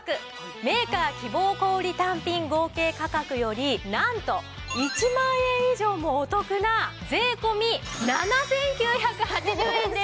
メーカー希望小売単品合計価格よりなんと１万円以上もお得な税込７９８０円です！